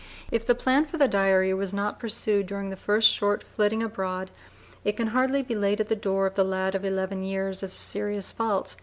If the plan for the diary was not pursued during the first short flitting abroad, it can hardly be laid at the door of the "lad of eleven years" as a serious fault.